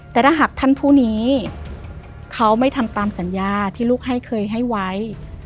แต่ถ้าหากท่านผู้นี้เขาไม่ทำตามสัญญาที่ลูกให้เคยให้ไว้